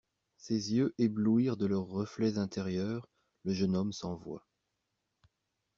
Ses yeux éblouirent de leurs reflets intérieurs le jeune homme sans voix.